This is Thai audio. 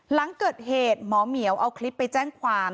หลังเกิดเหตุหมอเหมียวเอาคลิปไปแจ้งความ